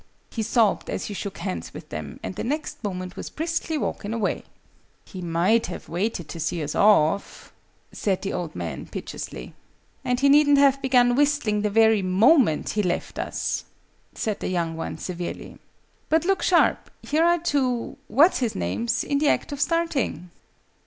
He sobbed as he shook hands with them, and the next moment was briskly walking away. "He might have waited to see us off!" said the old man, piteously. "And he needn't have begun whistling the very moment he left us!" said the young one, severely. "But look sharp here are two what's his names in the act of starting!"